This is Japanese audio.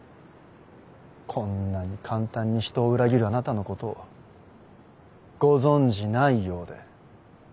こんなに簡単にひとを裏切るあなたのことをご存じないようで。